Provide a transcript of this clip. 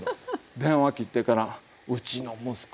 電話切ってからうちの息子